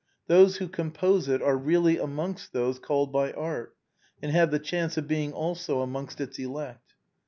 Those who compose it are really amongst those called by art, and have the chance of «ing also amongst its elect.